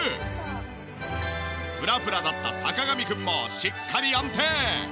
フラフラだった坂上くんもしっかり安定！